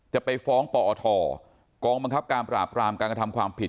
จะไปฟ้องปอทกองบังคับการปราบรามการกระทำความผิด